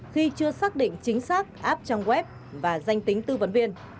khi chưa xác định chính xác app trang web và danh tính tư vấn viên